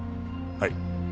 はい。